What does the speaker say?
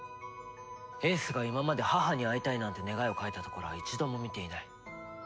英寿が今まで母に会いたいなんて願いを書いたところは一度も見ていない。